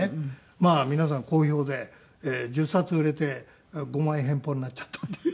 まあ皆さん好評で１０冊売れて５万円返報になっちゃったっていう。